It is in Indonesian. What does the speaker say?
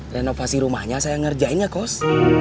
renovasi rumahnya saya ngerjain ya kos